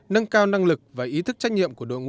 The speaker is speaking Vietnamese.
nâng cao năng lực và ý thức trách nhiệm của đội ngũ